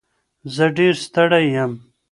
زه ډېر ستړی یم.